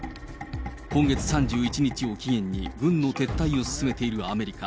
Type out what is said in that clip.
今月３１日を期限に軍の撤退を進めているアメリカ。